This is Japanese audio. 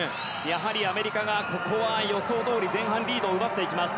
やはりアメリカがここは予想どおり前半リードを奪っていきます。